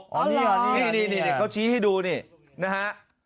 นี่นี่เขาชี้ให้ดูนี่นะฮะ